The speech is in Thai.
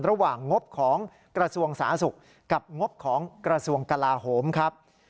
ระหว่างงบของกระทรวงสาศุกร์กับงบของกระทรวงกลาโหมครับ